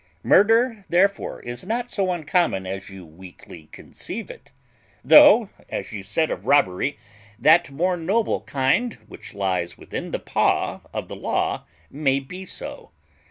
Murder, therefore, is not so uncommon as you weakly conceive it, though, as you said of robbery, that more noble kind which lies within the paw of the law may be so.